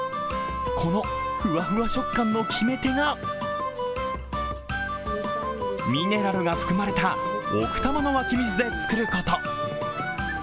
この、ふわふわ食感の決め手がミネラルが含まれた奥多摩の湧き水で作ること。